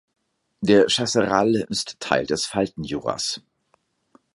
Der Chasseral ist Teil des Faltenjuras.